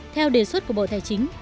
theo đề xuất của bộ tài chính